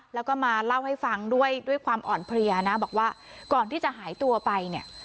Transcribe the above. แล้วก็มาเล่าให้ฟังด้วยด้วยความอ่อนเพลียนะบอกว่าก่อนที่จะหายตัวไปเนี่ย